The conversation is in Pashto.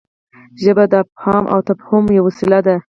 ژبه د افهام او تفهیم یوه وسیله ده.